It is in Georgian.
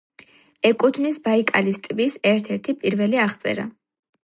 ეკუთვნის ბაიკალის ტბის ერთ-ერთი პირველი აღწერა.